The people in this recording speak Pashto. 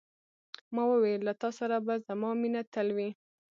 ما وویل، له تا سره به زما مینه تل وي.